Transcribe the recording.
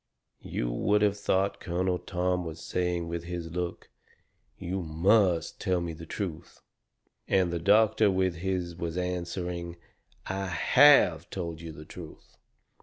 You would of thought Colonel Tom was saying with his look: "You MUST tell me the truth." And the doctor with his was answering: "I HAVE told you the truth."